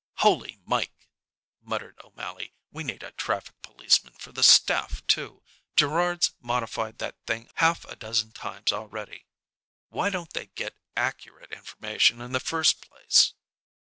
"Holy Mike!" muttered O'Mally, "we need a traffic policeman for the staff, too. Gerrard's modified that thing half a dozen times already. Why don't they get accurate information in the first place?"